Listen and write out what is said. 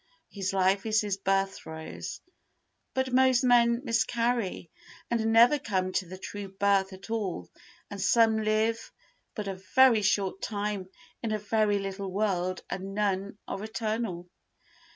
His life is his birth throes. But most men miscarry and never come to the true birth at all and some live but a very short time in a very little world and none are eternal.